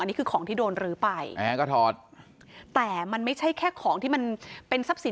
นี่คือของที่โดนรื้อไปนะฮะก็ถอดแต่มันไม่ใช่แค่ของที่มันเป็นทรัพย์สิน